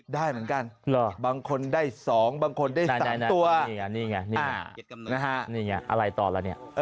ได้เหมือนกันบางคนได้๒บางคนได้๓ตัวนี่ไงนี่นะฮะนี่ไงอะไรต่อล่ะเนี่ย